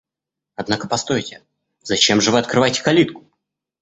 Однако постойте, зачем же вы открываете калитку?